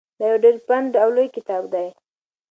دا یو ډېر پنډ او لوی کتاب دی.